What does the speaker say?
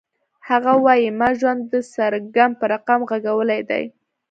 هغه وایی ما ژوند د سرګم په رقم غږولی دی